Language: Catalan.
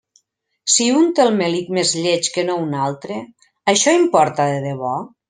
Si un té el melic més lleig que no un altre, això importa de debò?